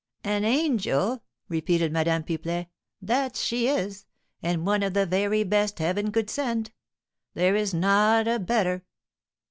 "An angel!" repeated Madame Pipelet; "that she is, and one of the very best heaven could send. There is not a better."